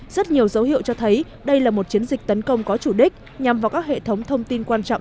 rất nhiều dấu hiệu cho thấy đây là một chiến dịch tấn công có chủ đích nhằm vào các hệ thống thông tin quan trọng